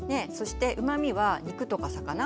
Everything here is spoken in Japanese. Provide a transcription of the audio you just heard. そしてうまみは肉とか魚。